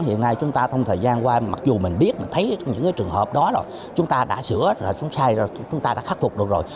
hiện nay chúng ta trong thời gian qua mặc dù mình biết mình thấy những trường hợp đó rồi chúng ta đã sửa chúng ta đã khắc phục được rồi